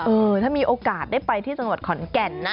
เออถ้ามีโอกาสได้ไปที่จังหวัดขอนแก่นนะ